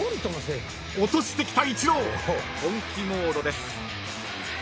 ［落としてきたイチロー本気モードです］